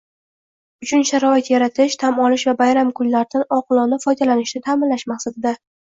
uchun sharoit yaratish, dam olish va bayram kunlaridan oqilona foydalanishni ta'minlash maqsadida: